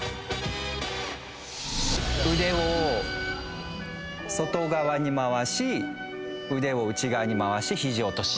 腕を外側に回し腕を内側に回し肘落とし。